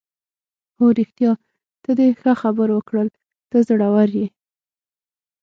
هو رښتیا، ته دې ښه خبره وکړل، ته زړوره یې.